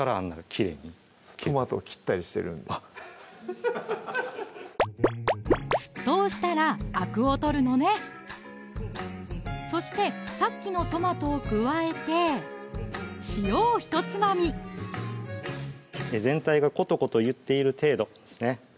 きれいにトマト切ったりしてるんで沸騰したらあくを取るのねそしてさっきのトマトを加えて塩をひとつまみ全体がコトコトいっている程度ですね